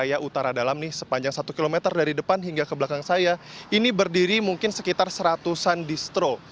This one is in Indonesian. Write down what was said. di wilayah utara dalam nih sepanjang satu km dari depan hingga ke belakang saya ini berdiri mungkin sekitar seratusan distro